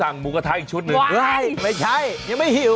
นี่แต่งเลย